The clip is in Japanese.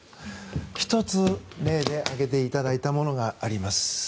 １つ例で挙げていただいたものがあります。